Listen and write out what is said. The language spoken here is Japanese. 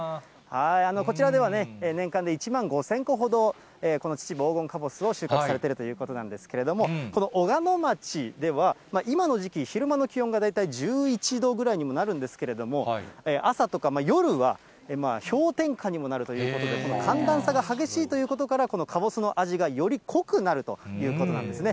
こちらではね、年間で１万５０００個ほど、この秩父黄金かぼすを収穫されているということなんですけれども、この小鹿野町では今の時期、昼間の気温が大体１１度ぐらいにもなるんですけれども、朝とか夜は氷点下にもなるということで、寒暖差が激しいということから、このかぼすの味がより濃くなるということなんですね。